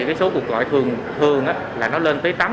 cái số cuộc gọi thường là nó lên tới